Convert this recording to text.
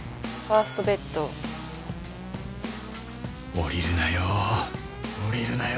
降りるなよ降りるなよ